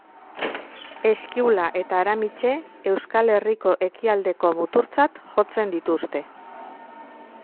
Eskiula eta Aramitse, Euskal Herriko ekialdeko muturtzat jotzen dituzte.